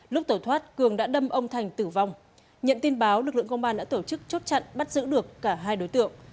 lúc tẩu thoát cường đã đâm ông thành tử vong nhận tin báo lực lượng công an đã tổ chức chốt chặn bắt giữ được cả hai đối tượng